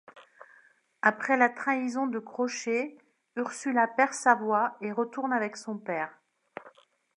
Après la trahison de Crochet, Ursula perd sa voix et retourne avec son père.